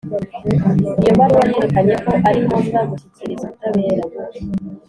iyo baruwa yerekanye ko ari ngombwa gushyikiriza ubutabera